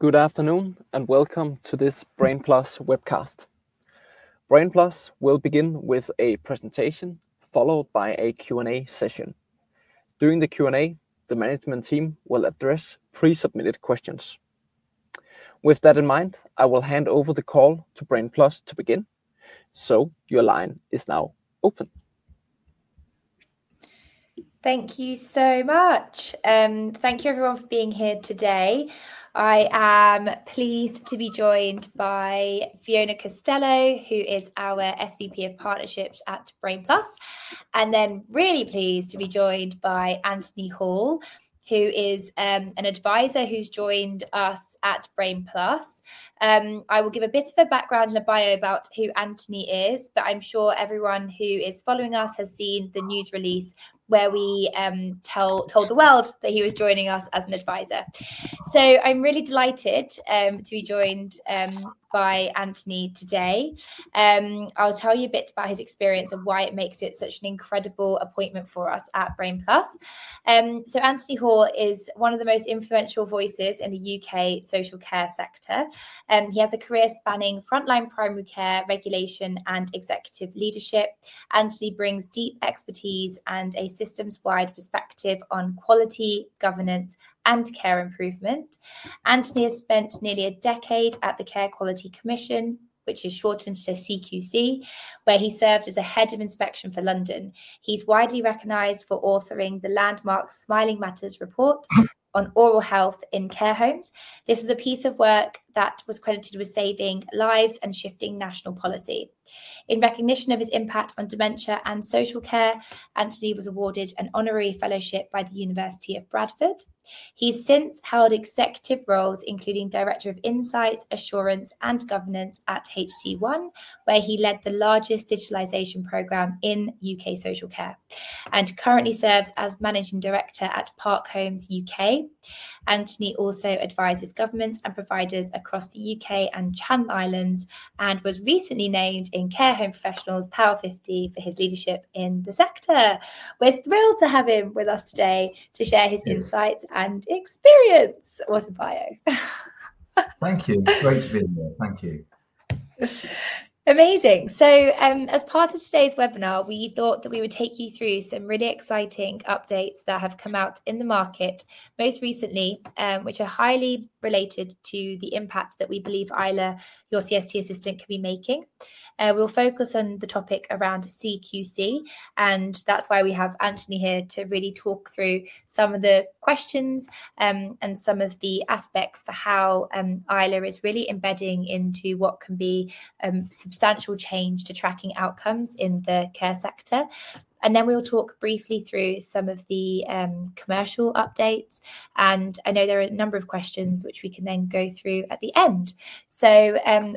Good afternoon, and welcome to this Brain+ webcast. Brain+ will begin with a presentation followed by a Q&A session. During the Q&A, the management team will address pre-submitted questions. With that in mind, I will hand over the call to Brain+ to begin, so your line is now open. Thank you so much. Thank you, everyone, for being here today. I am pleased to be joined by Fiona Costello, who is our SVP of Partnerships at Brain+, and then really pleased to be joined by Anthony Hall, who is an advisor who's joined us at Brain+. I will give a bit of a background and a bio about who Anthony is, but I'm sure everyone who is following us has seen the news release where we told the world that he was joining us as an advisor. I am really delighted to be joined by Anthony today. I'll tell you a bit about his experience and why it makes it such an incredible appointment for us at Brain+. Anthony Hall is one of the most influential voices in the U.K. social care sector. He has a career spanning frontline primary care regulation and executive leadership. Anthony brings deep expertise and a systems-wide perspective on quality, governance, and care improvement. Anthony has spent nearly a decade at the Care Quality Commission, which is shortened to CQC, where he served as a Head of Inspection for London. He's widely recognized for authoring the landmark Smiling Matters report on oral health in care homes. This was a piece of work that was credited with saving lives and shifting national policy. In recognition of his impact on dementia and social care, Anthony was awarded an honorary fellowship by the University of Bradford. He's since held executive roles, including Director of Insights, Assurance, and Governance at HC One, where he led the largest digitalization program in U.K. social care, and currently serves as Managing Director at Park Homes U.K.. Anthony also advises governments and providers across the U.K. and Channel Islands and was recently named in Care Home Professional's PAL50 for his leadership in the sector. We're thrilled to have him with us today to share his insights and experience. What a bio. Thank you. Great to be here. Thank you. Amazing. As part of today's webinar, we thought that we would take you through some really exciting updates that have come out in the market most recently, which are highly related to the impact that we believe Isla, your CST assistant, could be making. We'll focus on the topic around CQC, and that's why we have Anthony here to really talk through some of the questions and some of the aspects for how Isla is really embedding into what can be substantial change to tracking outcomes in the care sector. We will talk briefly through some of the commercial updates. I know there are a number of questions which we can then go through at the end.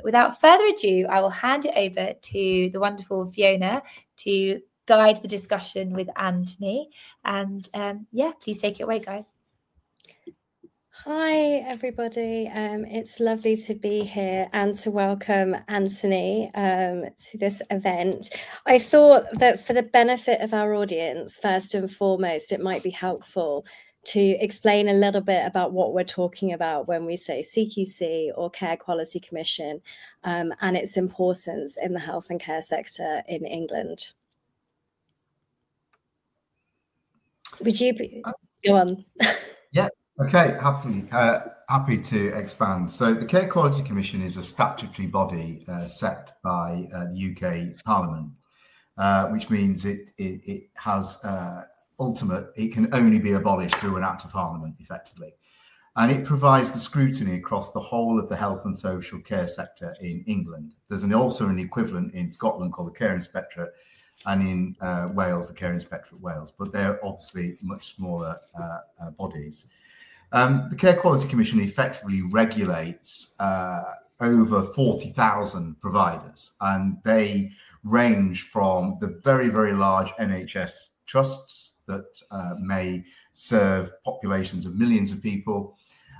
Without further ado, I will hand it over to the wonderful Fiona to guide the discussion with Anthony. Yeah, please take it away, guys. Hi, everybody. It's lovely to be here and to welcome Anthony to this event. I thought that for the benefit of our audience, first and foremost, it might be helpful to explain a little bit about what we're talking about when we say CQC or Care Quality Commission and its importance in the health and care sector in England. Would you go on? Yeah. Okay. Happy to expand. The Care Quality Commission is a statutory body set by the U.K. Parliament, which means it has ultimate—it can only be abolished through an Act of Parliament, effectively. It provides the scrutiny across the whole of the health and social care sector in England. There is also an equivalent in Scotland called the Care Inspectorate and in Wales, the Care Inspectorate Wales, but they are obviously much smaller bodies. The Care Quality Commission effectively regulates over 40,000 providers, and they range from the very, very large NHS trusts that may serve populations of millions of people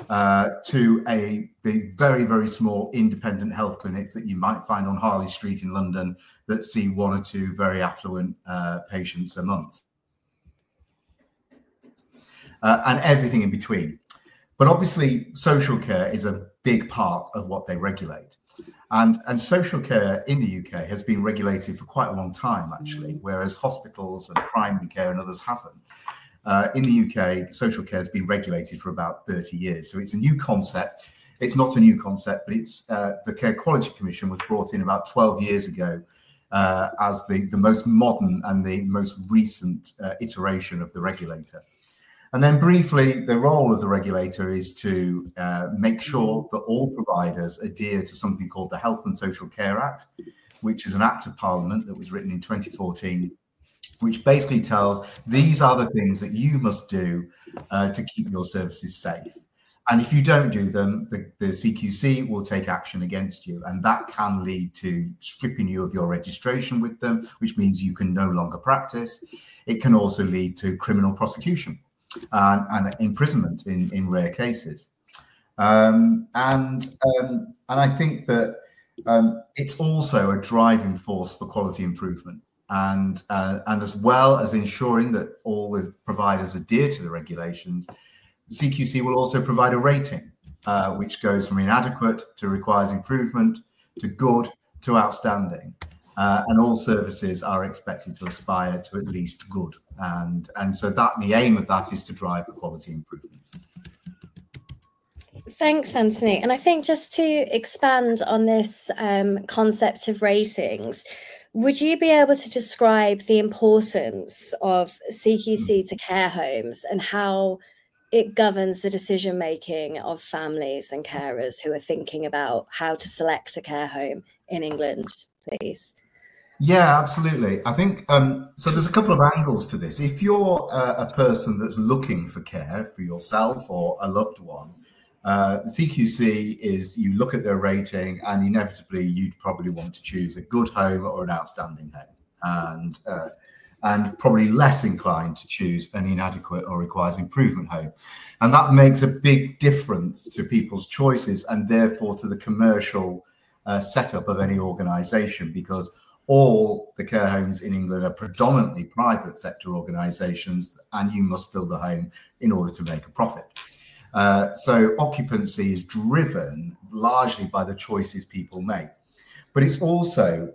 to the very, very small independent health clinics that you might find on Harley Street in London that see one or two very affluent patients a month, and everything in between. Obviously, social care is a big part of what they regulate. Social care in the U.K. has been regulated for quite a long time, actually, whereas hospitals and primary care and others have not. In the U.K., social care has been regulated for about 30 years. It is not a new concept, but the Care Quality Commission was brought in about 12 years ago as the most modern and the most recent iteration of the regulator. Briefly, the role of the regulator is to make sure that all providers adhere to something called the Health and Social Care Act, which is an Act of Parliament that was written in 2014, which basically tells these are the things that you must do to keep your services safe. If you do not do them, the CQC will take action against you, and that can lead to stripping you of your registration with them, which means you can no longer practice. It can also lead to criminal prosecution and imprisonment in rare cases. I think that it is also a driving force for quality improvement. As well as ensuring that all the providers adhere to the regulations, CQC will also provide a rating, which goes from inadequate to requires improvement to good to outstanding. All services are expected to aspire to at least good. The aim of that is to drive the quality improvement. Thanks, Anthony. I think just to expand on this concept of ratings, would you be able to describe the importance of CQC to care homes and how it governs the decision-making of families and carers who are thinking about how to select a care home in England, please? Yeah, absolutely. I think so there's a couple of angles to this. If you're a person that's looking for care for yourself or a loved one, CQC is you look at their rating, and inevitably, you'd probably want to choose a good home or an outstanding home and probably less inclined to choose an inadequate or requires improvement home. That makes a big difference to people's choices and therefore to the commercial setup of any organization because all the care homes in England are predominantly private sector organizations, and you must build the home in order to make a profit. Occupancy is driven largely by the choices people make. It's also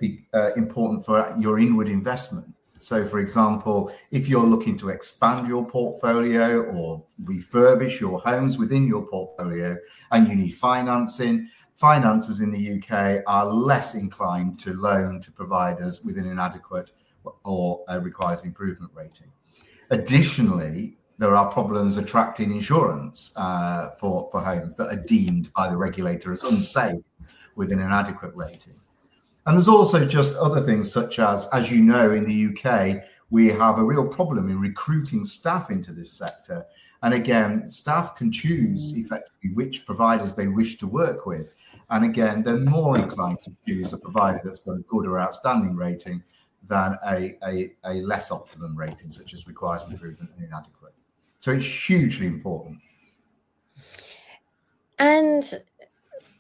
important for your inward investment. For example, if you're looking to expand your portfolio or refurbish your homes within your portfolio and you need financing, finances in the U.K. are less inclined to loan to providers with an inadequate or requires improvement rating. Additionally, there are problems attracting insurance for homes that are deemed by the regulator as unsafe with an inadequate rating. There's also just other things such as, as you know, in the U.K., we have a real problem in recruiting staff into this sector. Again, staff can choose effectively which providers they wish to work with. Again, they're more inclined to choose a provider that's got a good or outstanding rating than a less optimum rating such as requires improvement and inadequate. It's hugely important.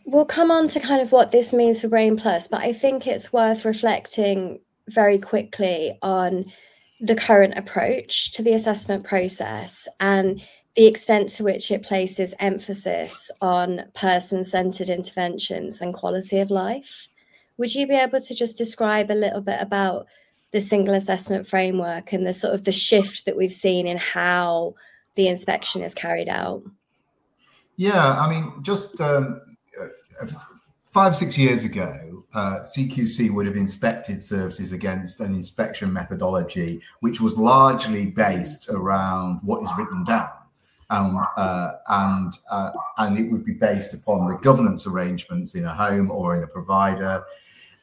We'll come on to kind of what this means for Brain+, but I think it's worth reflecting very quickly on the current approach to the assessment process and the extent to which it places emphasis on person-centered interventions and quality of life. Would you be able to just describe a little bit about the Single Assessment Framework and the sort of the shift that we've seen in how the inspection is carried out? Yeah. I mean, just five, six years ago, CQC would have inspected services against an inspection methodology, which was largely based around what is written down. It would be based upon the governance arrangements in a home or in a provider,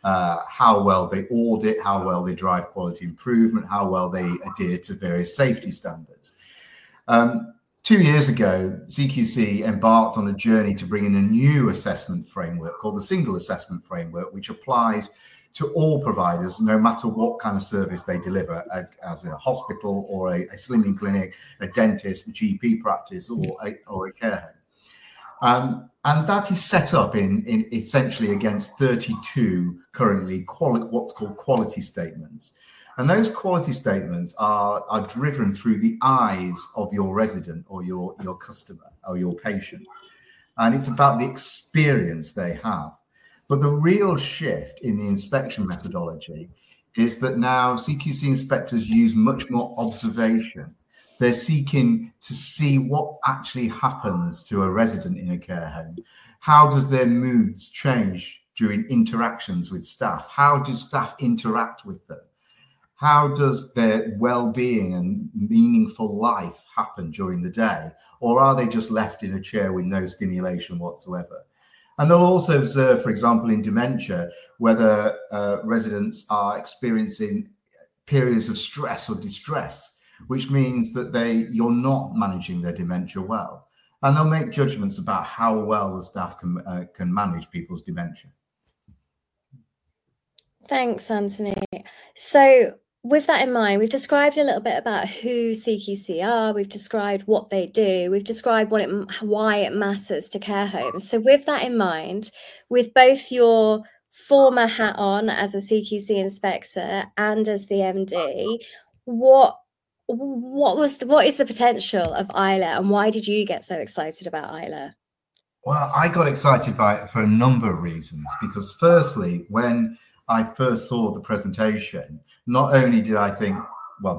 how well they audit, how well they drive quality improvement, how well they adhere to various safety standards. Two years ago, CQC embarked on a journey to bring in a new assessment framework called the single assessment framework, which applies to all providers, no matter what kind of service they deliver, as a hospital or a swimming clinic, a dentist, a GP practice, or a care home. That is set up essentially against 32 currently what's called quality statements. Those quality statements are driven through the eyes of your resident or your customer or your patient. It's about the experience they have. The real shift in the inspection methodology is that now CQC inspectors use much more observation. They're seeking to see what actually happens to a resident in a care home. How do their moods change during interactions with staff? How do staff interact with them? How does their well-being and meaningful life happen during the day? Are they just left in a chair with no stimulation whatsoever? They'll also observe, for example, in dementia, whether residents are experiencing periods of stress or distress, which means that you're not managing their dementia well. They'll make judgments about how well the staff can manage people's dementia. Thanks, Anthony. With that in mind, we've described a little bit about who CQC are. We've described what they do. We've described why it matters to care homes. With that in mind, with both your former hat on as a CQC inspector and as the MD, what is the potential of Isla? Why did you get so excited about Isla? I got excited for a number of reasons. Because firstly, when I first saw the presentation, not only did I think,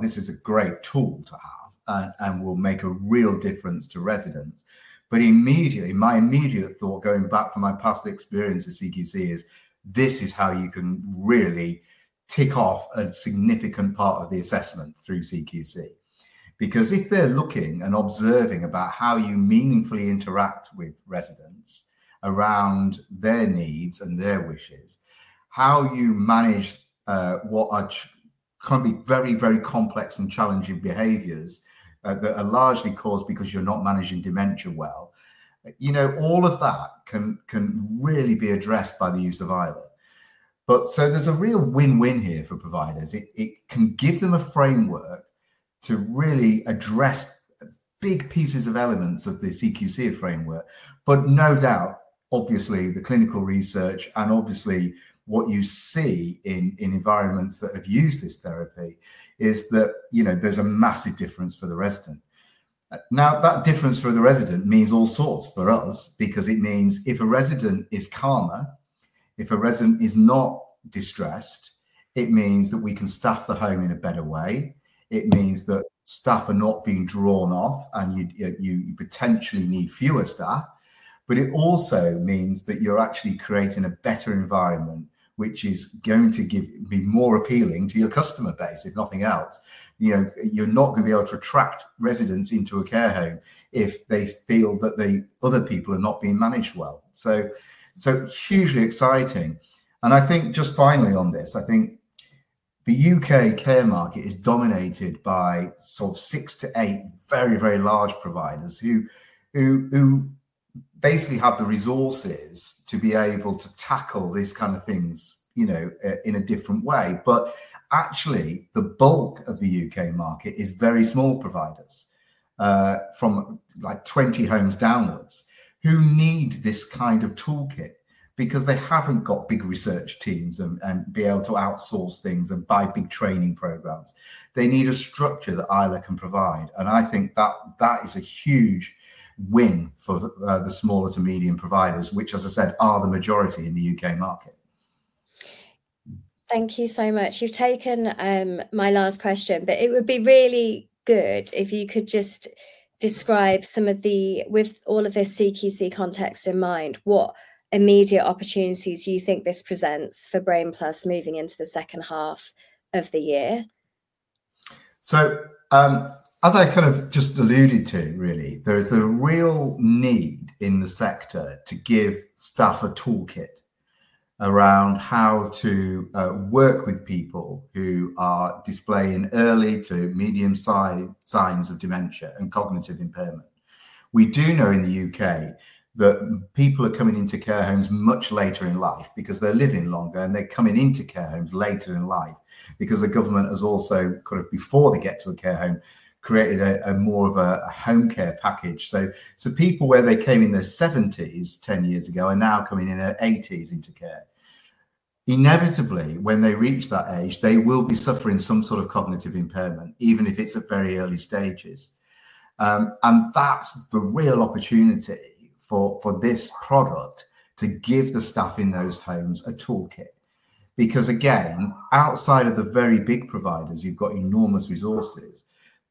this is a great tool to have and will make a real difference to residents, but immediately, my immediate thought going back from my past experience at CQC is this is how you can really tick off a significant part of the assessment through CQC. Because if they're looking and observing about how you meaningfully interact with residents around their needs and their wishes, how you manage what can be very, very complex and challenging behaviors that are largely caused because you're not managing dementia well, you know all of that can really be addressed by the use of Isla. There is a real win-win here for providers. It can give them a framework to really address big pieces of elements of the CQC framework. No doubt, obviously, the clinical research and obviously what you see in environments that have used this therapy is that there's a massive difference for the resident. Now, that difference for the resident means all sorts for us because it means if a resident is calmer, if a resident is not distressed, it means that we can staff the home in a better way. It means that staff are not being drawn off and you potentially need fewer staff. It also means that you're actually creating a better environment, which is going to be more appealing to your customer base, if nothing else. You're not going to be able to attract residents into a care home if they feel that the other people are not being managed well. Hugely exciting. I think just finally on this, I think the U.K. care market is dominated by sort of six to eight very, very large providers who basically have the resources to be able to tackle these kind of things in a different way. Actually, the bulk of the U.K. market is very small providers from like 20 homes downwards who need this kind of toolkit because they have not got big research teams and be able to outsource things and buy big training programs. They need a structure that Isla can provide. I think that is a huge win for the smaller to medium providers, which, as I said, are the majority in the U.K. market. Thank you so much. You've taken my last question, but it would be really good if you could just describe some of the, with all of this CQC context in mind, what immediate opportunities do you think this presents for Brain+ moving into the second half of the year? As I kind of just alluded to, really, there is a real need in the sector to give staff a toolkit around how to work with people who are displaying early to medium signs of dementia and cognitive impairment. We do know in the U.K. that people are coming into care homes much later in life because they're living longer and they're coming into care homes later in life because the government has also kind of, before they get to a care home, created more of a home care package. People where they came in their seventies ten years ago are now coming in their eighties into care. Inevitably, when they reach that age, they will be suffering some sort of cognitive impairment, even if it's at very early stages. That's the real opportunity for this product to give the staff in those homes a toolkit. Because again, outside of the very big providers, you've got enormous resources.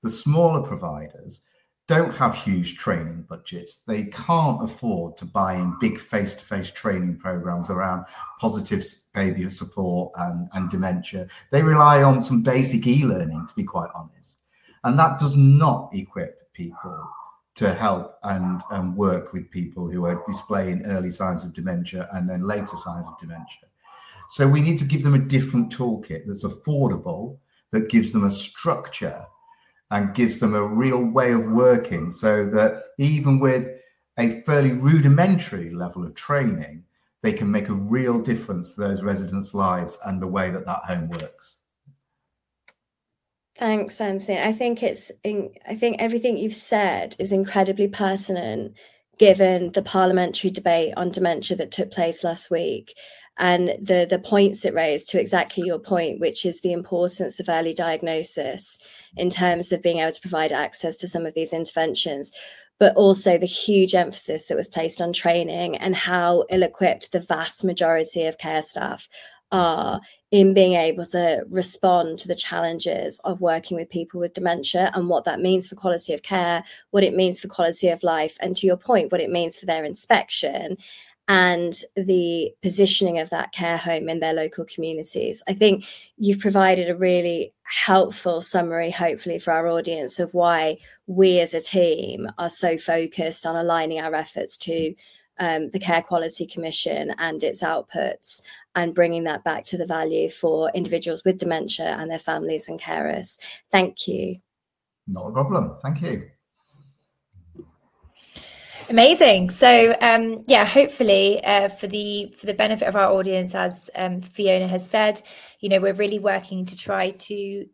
The smaller providers don't have huge training budgets. They can't afford to buy in big face-to-face training programs around positive behavior support and dementia. They rely on some basic e-learning, to be quite honest. That does not equip people to help and work with people who are displaying early signs of dementia and then later signs of dementia. We need to give them a different toolkit that's affordable, that gives them a structure and gives them a real way of working so that even with a fairly rudimentary level of training, they can make a real difference to those residents' lives and the way that that home works. Thanks, Anthony. I think everything you've said is incredibly personal, given the parliamentary debate on dementia that took place last week and the points it raised to exactly your point, which is the importance of early diagnosis in terms of being able to provide access to some of these interventions, but also the huge emphasis that was placed on training and how ill-equipped the vast majority of care staff are in being able to respond to the challenges of working with people with dementia and what that means for quality of care, what it means for quality of life, and to your point, what it means for their inspection and the positioning of that care home in their local communities. I think you've provided a really helpful summary, hopefully, for our audience of why we as a team are so focused on aligning our efforts to the Care Quality Commission and its outputs and bringing that back to the value for individuals with dementia and their families and carers. Thank you. Not a problem. Thank you. Amazing. Yeah, hopefully, for the benefit of our audience, as Fiona has said, we're really working to try to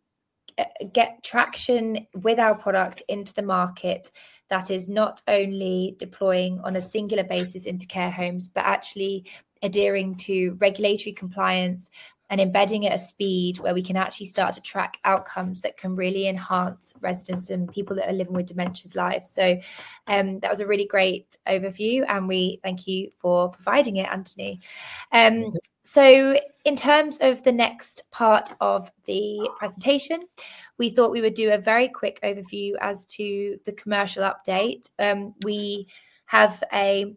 get traction with our product into the market that is not only deploying on a singular basis into care homes, but actually adhering to regulatory compliance and embedding at a speed where we can actually start to track outcomes that can really enhance residents and people that are living with dementia's lives. That was a really great overview, and we thank you for providing it, Anthony. In terms of the next part of the presentation, we thought we would do a very quick overview as to the commercial update. We have a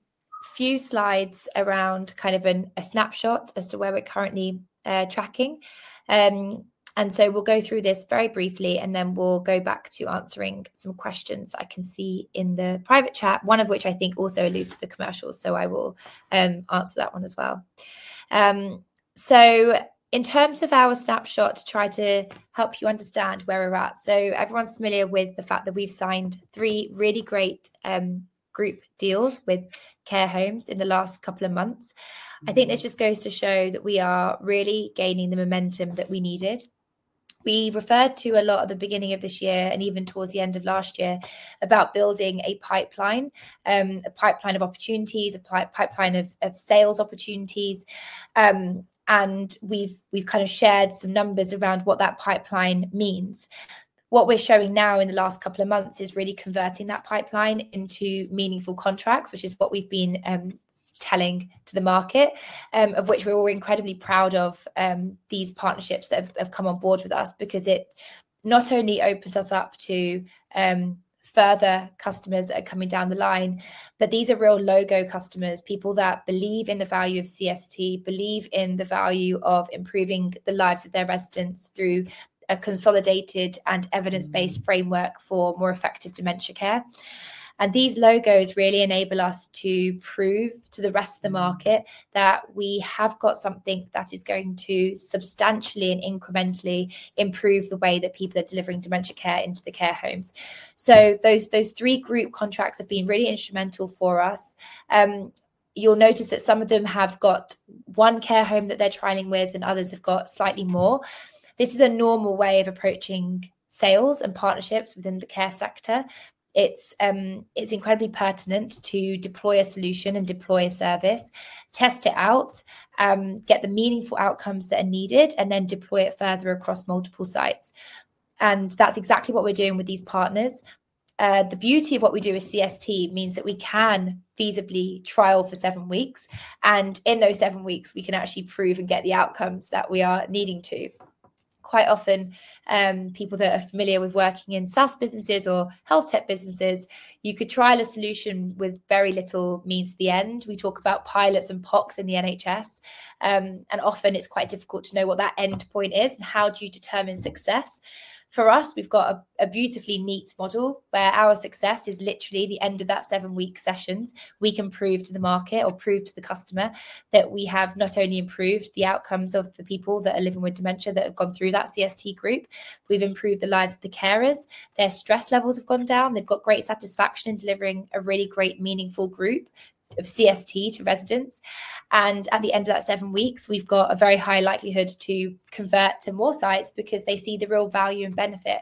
few slides around kind of a snapshot as to where we're currently tracking. We'll go through this very briefly, and then we'll go back to answering some questions that I can see in the private chat, one of which I think also alludes to the commercial, so I will answer that one as well. In terms of our snapshot to try to help you understand where we're at, everyone's familiar with the fact that we've signed three really great group deals with care homes in the last couple of months. I think this just goes to show that we are really gaining the momentum that we needed. We referred to a lot at the beginning of this year and even towards the end of last year about building a pipeline, a pipeline of opportunities, a pipeline of sales opportunities. We've kind of shared some numbers around what that pipeline means. What we're showing now in the last couple of months is really converting that pipeline into meaningful contracts, which is what we've been telling to the market, of which we're all incredibly proud of these partnerships that have come on board with us because it not only opens us up to further customers that are coming down the line, but these are real logo customers, people that believe in the value of CST, believe in the value of improving the lives of their residents through a consolidated and evidence-based framework for more effective dementia care. These logos really enable us to prove to the rest of the market that we have got something that is going to substantially and incrementally improve the way that people are delivering dementia care into the care homes. Those three group contracts have been really instrumental for us. You'll notice that some of them have got one care home that they're trialing with, and others have got slightly more. This is a normal way of approaching sales and partnerships within the care sector. It's incredibly pertinent to deploy a solution and deploy a service, test it out, get the meaningful outcomes that are needed, and then deploy it further across multiple sites. That's exactly what we're doing with these partners. The beauty of what we do with CST means that we can feasibly trial for seven weeks. In those seven weeks, we can actually prove and get the outcomes that we are needing to. Quite often, people that are familiar with working in SaaS businesses or health tech businesses, you could trial a solution with very little means to the end. We talk about pilots and POCs in the NHS. It is quite difficult to know what that end point is and how you determine success. For us, we've got a beautifully neat model where our success is literally the end of that seven-week sessions. We can prove to the market or prove to the customer that we have not only improved the outcomes of the people that are living with dementia that have gone through that CST group, we've improved the lives of the carers. Their stress levels have gone down. They've got great satisfaction in delivering a really great, meaningful group of CST to residents. At the end of that seven weeks, we've got a very high likelihood to convert to more sites because they see the real value and benefit.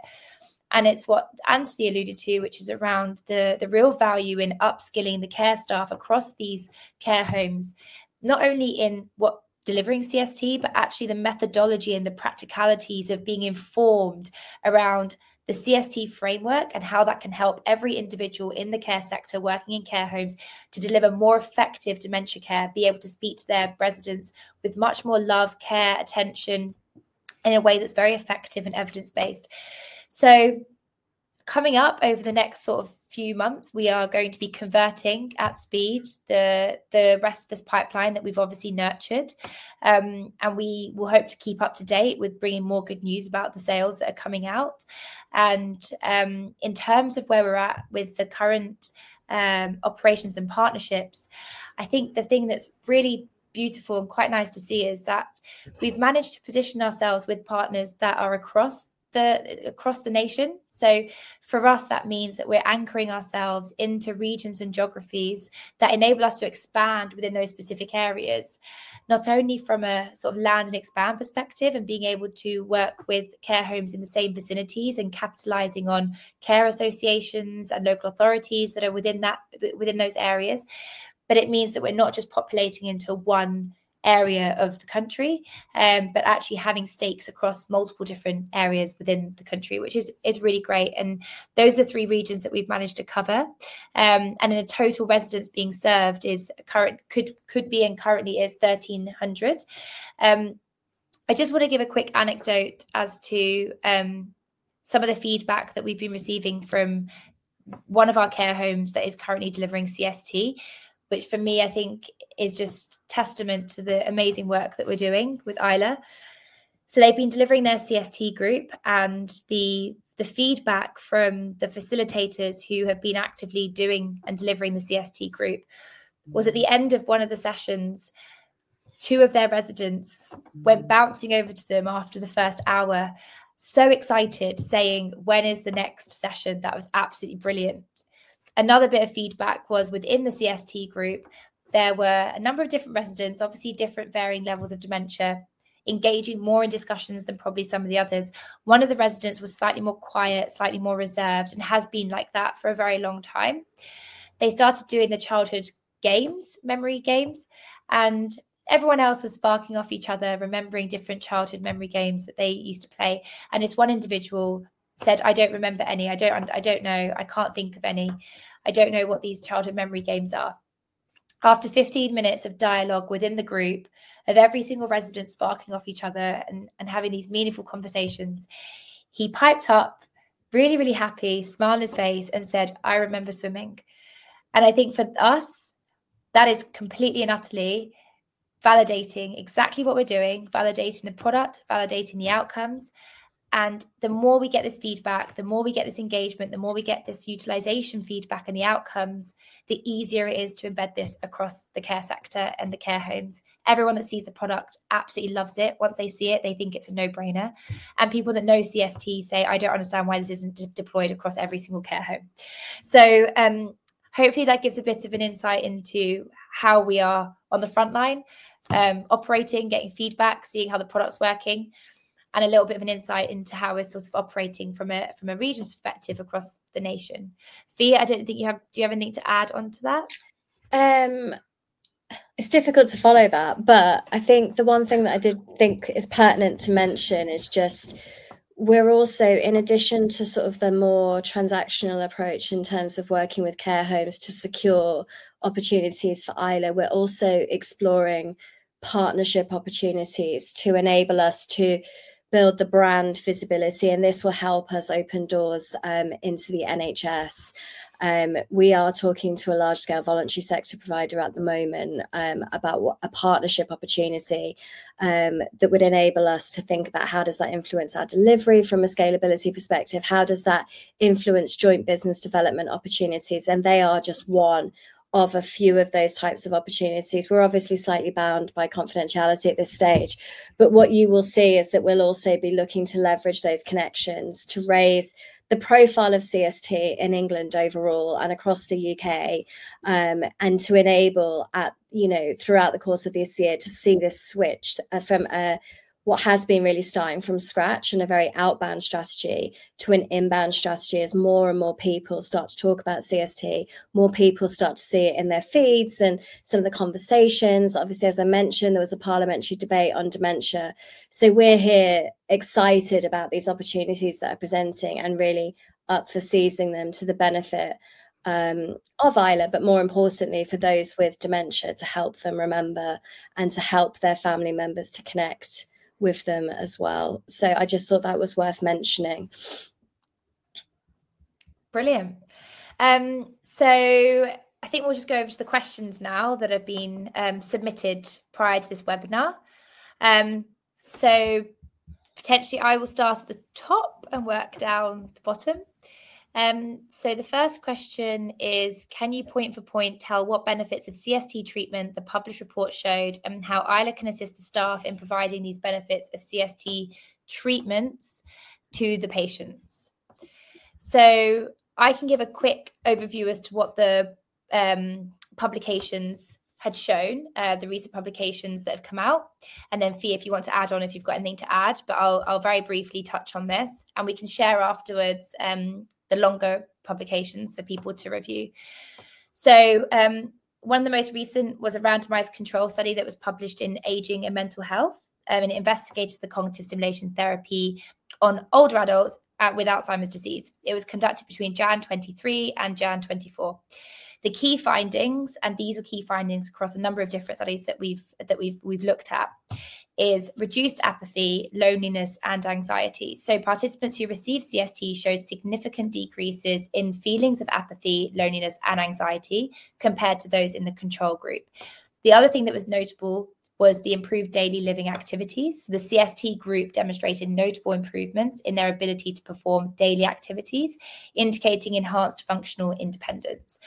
It is what Anthony alluded to, which is around the real value in upskilling the care staff across these care homes, not only in delivering CST, but actually the methodology and the practicalities of being informed around the CST framework and how that can help every individual in the care sector working in care homes to deliver more effective dementia care, be able to speak to their residents with much more love, care, attention in a way that is very effective and evidence-based. Coming up over the next sort of few months, we are going to be converting at speed the rest of this pipeline that we have obviously nurtured. We will hope to keep up to date with bringing more good news about the sales that are coming out. In terms of where we're at with the current operations and partnerships, I think the thing that's really beautiful and quite nice to see is that we've managed to position ourselves with partners that are across the nation. For us, that means that we're anchoring ourselves into regions and geographies that enable us to expand within those specific areas, not only from a sort of land and expand perspective and being able to work with care homes in the same vicinities and capitalizing on care associations and local authorities that are within those areas. It means that we're not just populating into one area of the country, but actually having stakes across multiple different areas within the country, which is really great. Those are three regions that we've managed to cover. The total residents being served could be and currently is 1,300. I just want to give a quick anecdote as to some of the feedback that we've been receiving from one of our care homes that is currently delivering CST, which for me, I think, is just testament to the amazing work that we're doing with Isla. They've been delivering their CST group, and the feedback from the facilitators who have been actively doing and delivering the CST group was at the end of one of the sessions, two of their residents went bouncing over to them after the first hour, so excited, saying, "When is the next session?" That was absolutely brilliant. Another bit of feedback was within the CST group, there were a number of different residents, obviously different varying levels of dementia, engaging more in discussions than probably some of the others. One of the residents was slightly more quiet, slightly more reserved, and has been like that for a very long time. They started doing the childhood memory games, and everyone else was sparking off each other, remembering different childhood memory games that they used to play. This one individual said, "I don't remember any. I don't know. I can't think of any. I don't know what these childhood memory games are." After 15 minutes of dialogue within the group, of every single resident sparking off each other and having these meaningful conversations, he piped up, really, really happy, smile on his face, and said, "I remember swimming." I think for us, that is completely and utterly validating exactly what we're doing, validating the product, validating the outcomes. The more we get this feedback, the more we get this engagement, the more we get this utilization feedback and the outcomes, the easier it is to embed this across the care sector and the care homes. Everyone that sees the product absolutely loves it. Once they see it, they think it's a no-brainer. People that know CST say, "I don't understand why this isn't deployed across every single care home." Hopefully, that gives a bit of an insight into how we are on the front line, operating, getting feedback, seeing how the product's working, and a little bit of an insight into how we're sort of operating from a region's perspective across the nation. Fia, I don't think you have—do you have anything to add onto that? It's difficult to follow that, but I think the one thing that I did think is pertinent to mention is just we're also, in addition to sort of the more transactional approach in terms of working with care homes to secure opportunities for Isla, we're also exploring partnership opportunities to enable us to build the brand visibility. This will help us open doors into the NHS. We are talking to a large-scale voluntary sector provider at the moment about a partnership opportunity that would enable us to think about how does that influence our delivery from a scalability perspective, how does that influence joint business development opportunities. They are just one of a few of those types of opportunities. We're obviously slightly bound by confidentiality at this stage. What you will see is that we'll also be looking to leverage those connections to raise the profile of CST in England overall and across the U.K. and to enable throughout the course of this year to see this switch from what has been really starting from scratch and a very outbound strategy to an inbound strategy as more and more people start to talk about CST, more people start to see it in their feeds and some of the conversations. Obviously, as I mentioned, there was a parliamentary debate on dementia. We are excited about these opportunities that are presenting and really up for seizing them to the benefit of Isla, but more importantly, for those with dementia to help them remember and to help their family members to connect with them as well. I just thought that was worth mentioning. Brilliant. I think we'll just go over to the questions now that have been submitted prior to this webinar. Potentially, I will start at the top and work down the bottom. The first question is, "Can you point for point tell what benefits of CST treatment the published report showed and how Isla can assist the staff in providing these benefits of CST treatments to the patients?" I can give a quick overview as to what the publications had shown, the recent publications that have come out. Fia, if you want to add on if you've got anything to add, I'll very briefly touch on this. We can share afterwards the longer publications for people to review. One of the most recent was a randomized control study that was published in Aging and Mental Health. It investigated the cognitive stimulation therapy on older adults with Alzheimer's disease. It was conducted between January 2023 and January 2024. The key findings, and these were key findings across a number of different studies that we've looked at, is reduced apathy, loneliness, and anxiety. Participants who received CST showed significant decreases in feelings of apathy, loneliness, and anxiety compared to those in the control group. The other thing that was notable was the improved daily living activities. The CST group demonstrated notable improvements in their ability to perform daily activities, indicating enhanced functional independence.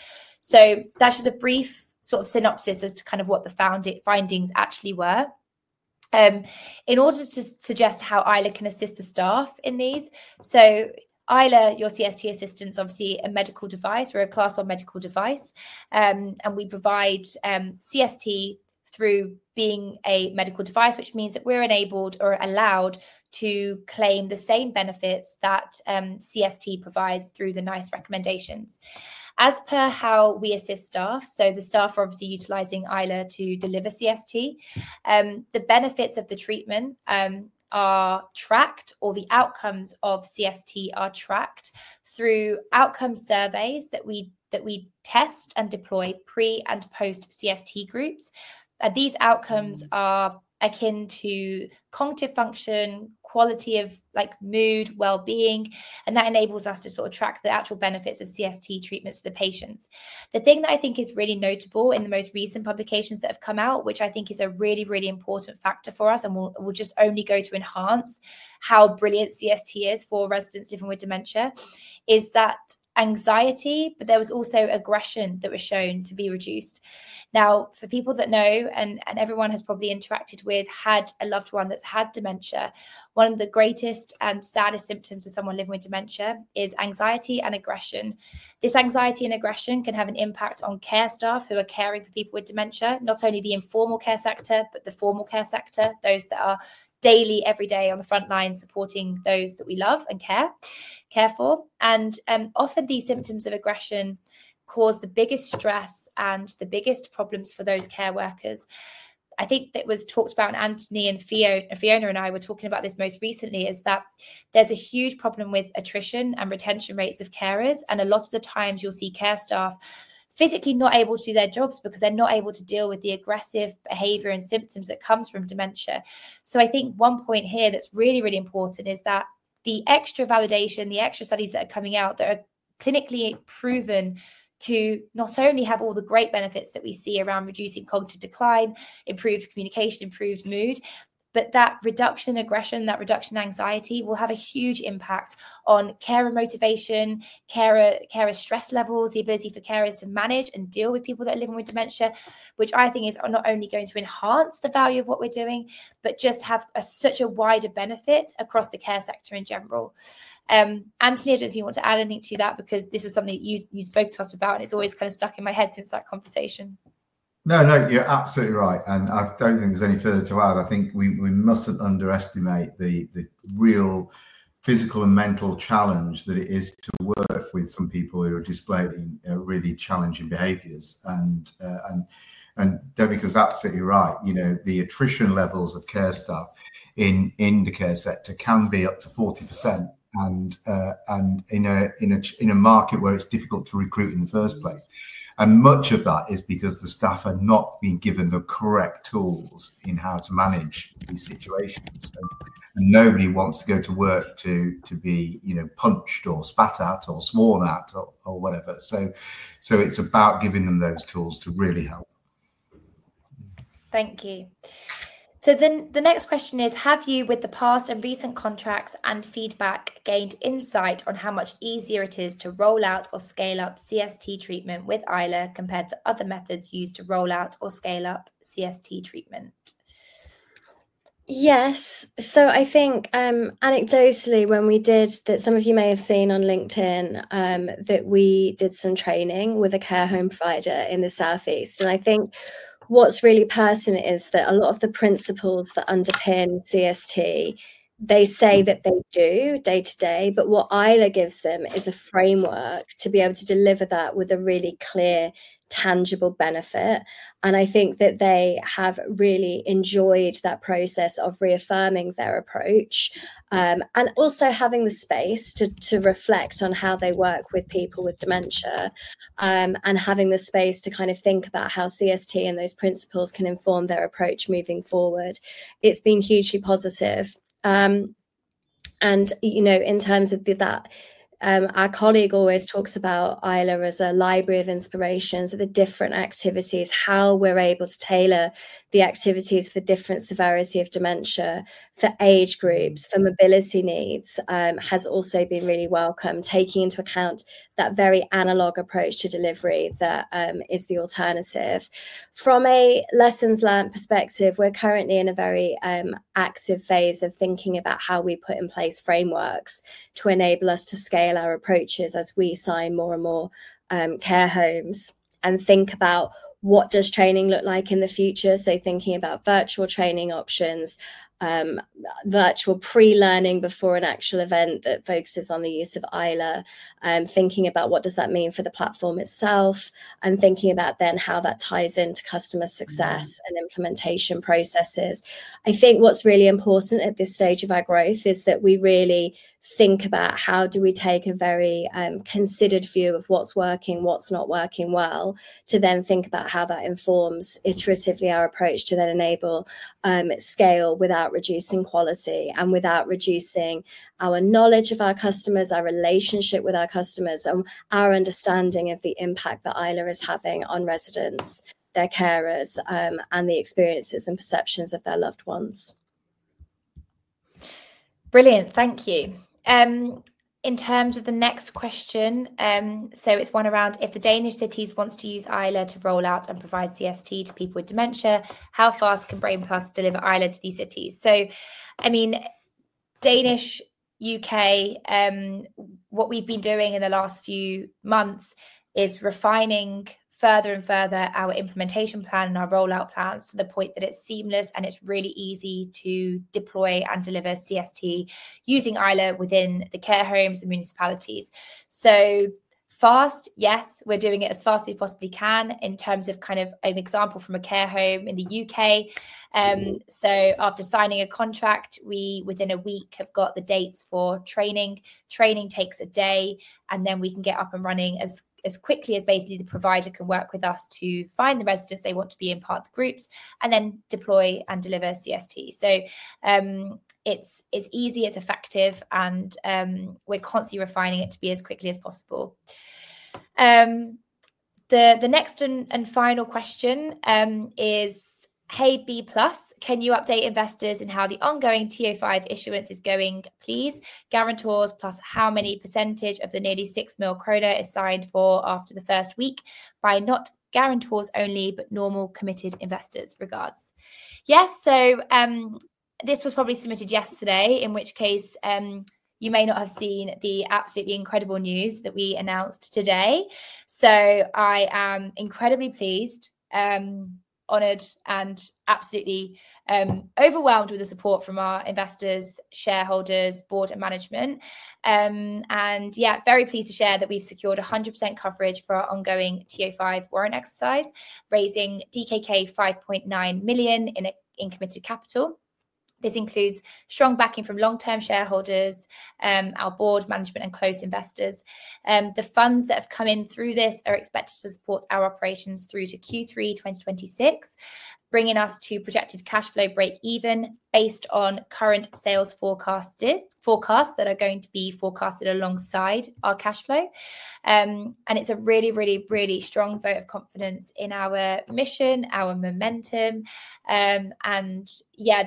That's just a brief sort of synopsis as to kind of what the findings actually were. In order to suggest how Isla can assist the staff in these, Isla, your CST assistant, is obviously a medical device. We're a class 1 medical device. We provide CST through being a medical device, which means that we're enabled or allowed to claim the same benefits that CST provides through the NICE recommendations. As per how we assist staff, the staff are obviously utilizing Isla to deliver CST. The benefits of the treatment are tracked, or the outcomes of CST are tracked through outcome surveys that we test and deploy pre and post-CST groups. These outcomes are akin to cognitive function, quality of mood, well-being. That enables us to sort of track the actual benefits of CST treatments to the patients. The thing that I think is really notable in the most recent publications that have come out, which I think is a really, really important factor for us and will just only go to enhance how brilliant CST is for residents living with dementia, is that anxiety, but there was also aggression that was shown to be reduced. Now, for people that know and everyone has probably interacted with, had a loved one that's had dementia, one of the greatest and saddest symptoms of someone living with dementia is anxiety and aggression. This anxiety and aggression can have an impact on care staff who are caring for people with dementia, not only the informal care sector, but the formal care sector, those that are daily, every day on the front line supporting those that we love and care for. Often, these symptoms of aggression cause the biggest stress and the biggest problems for those care workers. I think that was talked about, and Anthony and Fiona and I were talking about this most recently, is that there's a huge problem with attrition and retention rates of carers. A lot of the times, you'll see care staff physically not able to do their jobs because they're not able to deal with the aggressive behavior and symptoms that come from dementia. I think one point here that's really, really important is that the extra validation, the extra studies that are coming out that are clinically proven to not only have all the great benefits that we see around reducing cognitive decline, improved communication, improved mood, but that reduction in aggression, that reduction in anxiety will have a huge impact on care and motivation, care and stress levels, the ability for carers to manage and deal with people that are living with dementia, which I think is not only going to enhance the value of what we're doing, but just have such a wider benefit across the care sector in general. Anthony, I don't know if you want to add anything to that because this was something that you spoke to us about, and it's always kind of stuck in my head since that conversation. No, no, you're absolutely right. I don't think there's any further to add. I think we mustn't underestimate the real physical and mental challenge that it is to work with some people who are displaying really challenging behaviors. Devika's absolutely right. The attrition levels of care staff in the care sector can be up to 40% in a market where it's difficult to recruit in the first place. Much of that is because the staff are not being given the correct tools in how to manage these situations. Nobody wants to go to work to be punched or spat at or sworn at or whatever. It's about giving them those tools to really help. Thank you. The next question is, "Have you, with the past and recent contracts and feedback, gained insight on how much easier it is to roll out or scale up CST treatment with Isla compared to other methods used to roll out or scale up CST treatment? Yes. I think anecdotally, when we did that, some of you may have seen on LinkedIn that we did some training with a care home provider in the Southeast. I think what's really pertinent is that a lot of the principles that underpin CST, they say that they do day to day, but what Isla gives them is a framework to be able to deliver that with a really clear, tangible benefit. I think that they have really enjoyed that process of reaffirming their approach and also having the space to reflect on how they work with people with dementia and having the space to kind of think about how CST and those principles can inform their approach moving forward. It's been hugely positive. In terms of that, our colleague always talks about Isla as a library of inspirations of the different activities, how we're able to tailor the activities for different severity of dementia, for age groups, for mobility needs has also been really welcome, taking into account that very analog approach to delivery that is the alternative. From a lessons learned perspective, we're currently in a very active phase of thinking about how we put in place frameworks to enable us to scale our approaches as we sign more and more care homes and think about what does training look like in the future. Thinking about virtual training options, virtual pre-learning before an actual event that focuses on the use of Isla, thinking about what does that mean for the platform itself, and thinking about then how that ties into customer success and implementation processes. I think what's really important at this stage of our growth is that we really think about how do we take a very considered view of what's working, what's not working well, to then think about how that informs iteratively our approach to then enable scale without reducing quality and without reducing our knowledge of our customers, our relationship with our customers, and our understanding of the impact that Isla is having on residents, their carers, and the experiences and perceptions of their loved ones. Brilliant. Thank you. In terms of the next question, it's one around if the Danish cities want to use Isla to roll out and provide CST to people with dementia, how fast can Brain+ deliver Isla to these cities? I mean, Danish, U.K., what we've been doing in the last few months is refining further and further our implementation plan and our rollout plans to the point that it's seamless and it's really easy to deploy and deliver CST using Isla within the care homes and municipalities. Fast, yes, we're doing it as fast as we possibly can in terms of kind of an example from a care home in the U.K. After signing a contract, we within a week have got the dates for training. Training takes a day. We can get up and running as quickly as basically the provider can work with us to find the residents they want to be in part of the groups and then deploy and deliver CST. It is easy, it is effective, and we are constantly refining it to be as quickly as possible. The next and final question is, "Hey B+, can you update investors in how the ongoing TO5 issuance is going, please? Guarantors plus how many % of the nearly 6 million krone is signed for after the first week by not guarantors only, but normal committed investors? Regards." Yes. This was probably submitted yesterday, in which case you may not have seen the absolutely incredible news that we announced today. I am incredibly pleased, honored, and absolutely overwhelmed with the support from our investors, shareholders, board, and management. Yeah, very pleased to share that we've secured 100% coverage for our ongoing TO5 warrant exercise, raising DKK 5.9 million in committed capital. This includes strong backing from long-term shareholders, our board, management, and close investors. The funds that have come in through this are expected to support our operations through to Q3 2026, bringing us to projected cash flow break-even based on current sales forecasts that are going to be forecasted alongside our cash flow. It's a really, really, really strong vote of confidence in our mission, our momentum. Yeah,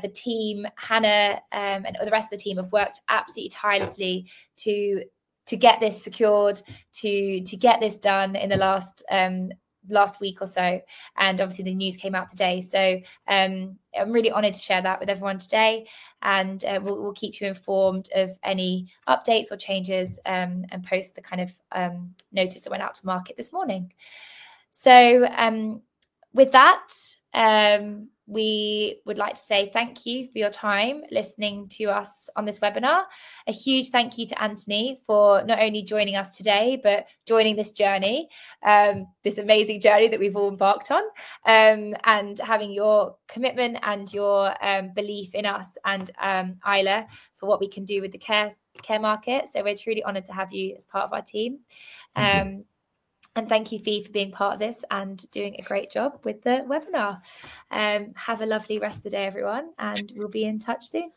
the team, Hanne, and the rest of the team have worked absolutely tirelessly to get this secured, to get this done in the last week or so. Obviously, the news came out today. I'm really honored to share that with everyone today. We will keep you informed of any updates or changes and post the kind of notice that went out to market this morning. With that, we would like to say thank you for your time listening to us on this webinar. A huge thank you to Anthony for not only joining us today, but joining this journey, this amazing journey that we have all embarked on, and having your commitment and your belief in us and Isla for what we can do with the care market. We are truly honored to have you as part of our team. Thank you, Fia, for being part of this and doing a great job with the webinar. Have a lovely rest of the day, everyone, and we will be in touch soon.